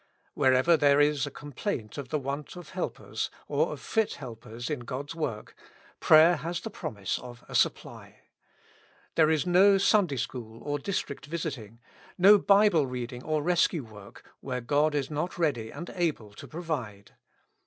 Wherever there is a complaint of the want of helpers, or of fit helpers in God's work, prayer has the promise of a supply. There is no Sunday school or district visiting, no Bible reading or rescue work, where God is not ready and able to provide.